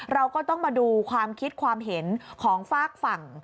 เราก็ต้องมาดูความคิดความเห็นของฝากฝั่ง